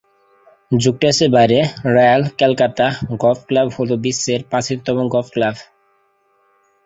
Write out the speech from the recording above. যুক্তরাজ্যের বাইরে royal Calcutta golf club হল বিশ্বের প্রাচীনতম গলফ ক্লাব।